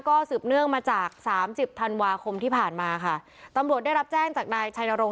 ก็สืบเนื่องมาจากสามสิบธันวาคมที่ผ่านมาค่ะตำรวจได้รับแจ้งจากนายชัยนรงค